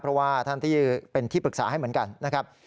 เพราะว่าท่านที่เป็นที่ปรึกษาให้เหมือนกันนะครับ